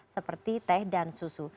seperti teh dan susu